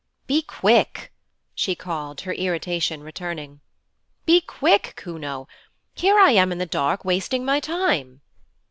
'Be quick!' she called, her irritation returning. 'Be quick, Kuno; here I am in the dark wasting my time.'